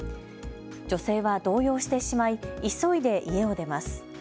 女性は動揺してしまい急いで家を出ます。